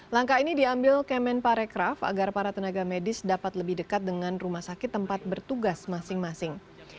langkah ini diambil kemen parekraf agar para tenaga medis dapat lebih dekat dengan rumah sakit tempat bertugas masing masing